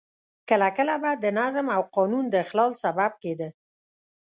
کله کله به د نظم او قانون د اخلال سبب کېده.